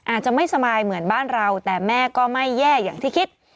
อาจจะไม่สบายเหมือนบ้านเราแต่แม่ก็ไม่แย่อย่างที่คิด